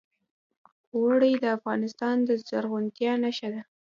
اوړي د افغانستان د زرغونتیا نښه ده.